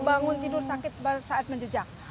bangun tidur sakit saat menjejak